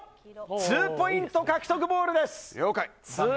２ポイント獲得ボールです。